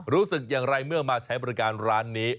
รู้สึกอย่างไรเมื่อมาใช้บริการร้านนี้